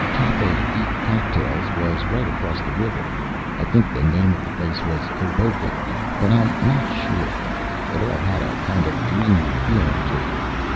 Cafe EAT Cocktails was right across the river. I think the name of the place was Hoboken, but I'm not sure. It all had a kind of dreamy feeling to it.